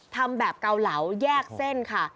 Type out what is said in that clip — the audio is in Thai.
ทำแบบเกาเหลาแยกเส้นค่ะ